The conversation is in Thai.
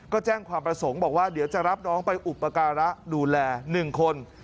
ก็แจ้งความประสงค์บอกว่าเดี๋ยวจะรับน้องไปอุปการะดูแล๑คน